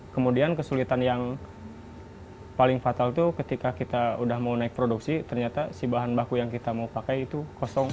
kemudian kesulitan yang paling fatal itu ketika kita udah mau naik produksi ternyata si bahan baku yang kita mau pakai itu kosong